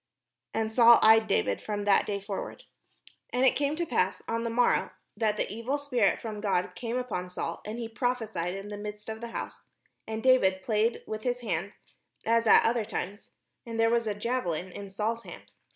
And Saul eyed David from that day forward. And it came to pass on the morrow, that the evil spirit from God came upon Saul, and he prophesied in the midst of the house: and David played with his hand, as at other times : and there was a JaveUn in Saul's hand.